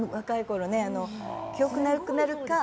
記憶なくなるか。